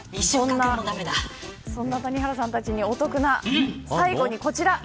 そんな谷原さんたちにお得な最後にこちら。